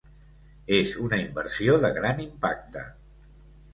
És una inversió de gran impacte.